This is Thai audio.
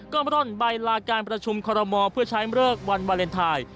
ก็ร่อนใบลาการประชุมคอรมอลเพื่อใช้เลิกวันวาเลนไทย